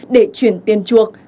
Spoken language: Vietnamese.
để chuyển tiền chuộc